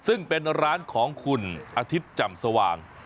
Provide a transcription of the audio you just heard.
ซึ่งเป็นร้านของคุณอาทิตย์จำสว่าง